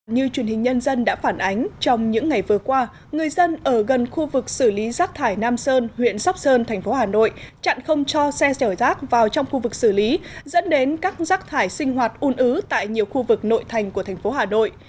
như truyền hình nhân dân đã phản ánh trong những ngày vừa qua người dân ở gần khu vực xử lý rác thải nam sơn huyện sóc sơn thành phố hà nội chặn không cho xe xẻo rác vào trong khu vực xử lý dẫn đến các rác thải sinh hoạt un ứ tại nhiều khu vực nội thành của thành phố hà nội